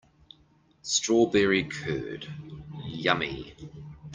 Strawberry curd, yummy!